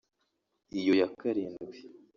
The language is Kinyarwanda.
Iyo ya karindwi